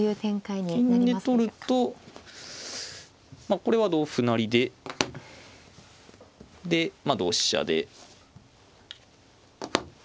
金で取るとこれは同歩成でで同飛車で。